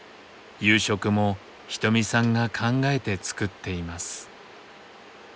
夕食もひとみさんが考えて作っています。